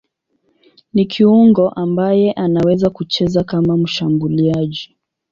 Ni kiungo ambaye anaweza kucheza kama mshambuliaji.